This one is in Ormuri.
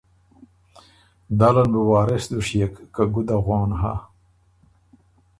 دل ان بُو وارث دشيېک که ګده غون هۀ